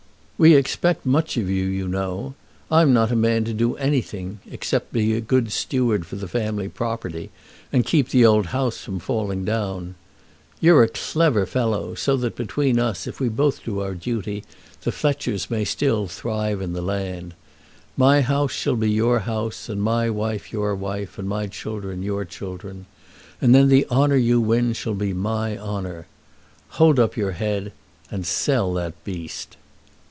"We expect much of you, you know. I'm not a man to do anything except be a good steward for the family property, and keep the old house from falling down. You're a clever fellow, so that between us, if we both do our duty, the Fletchers may still thrive in the land. My house shall be your house, and my wife your wife, and my children your children. And then the honour you win shall be my honour. Hold up your head, and sell that beast."